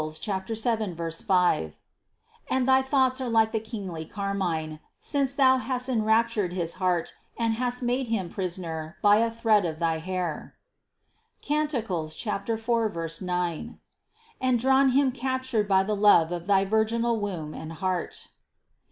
7, 5), and thy thoughts are like the kingly carmine, since Thou hast en raptured his heart and hast made Him Prisoner by a thread of thy hair (Cant. 4, 9) and drawn Him captured by the love of thy virginal womb and heart.